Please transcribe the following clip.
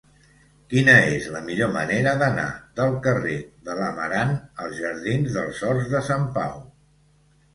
Quina és la millor manera d'anar del carrer de l'Amarant als jardins dels Horts de Sant Pau?